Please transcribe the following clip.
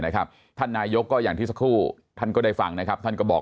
ท่านนายกก็อย่างที่สักครู่ท่านก็ได้ฟังนะครับท่านก็บอก